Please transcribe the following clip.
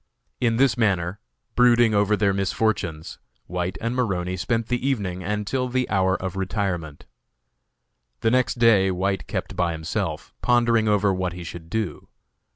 In this manner, brooding over their misfortunes, White and Maroney spent the evening until the hour of retirement. The next day White kept by himself, pondering over what he should do.